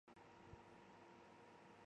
杨凯人。